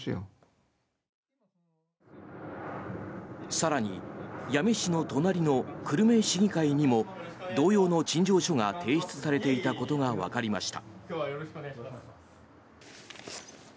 更に八女市の隣の久留米市議会にも同様の陳情書が提出されていたことがわかりました。